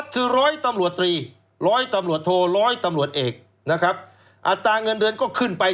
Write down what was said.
ผู้ชมท่านผู้หญิงผู้แข่งขึ้นที่